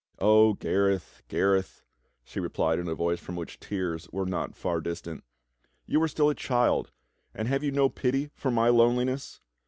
"O Gareth, Gareth," she replied in a voice from wLich tears were not far distant, "you are still a child; and have you no pity for my loneliness.?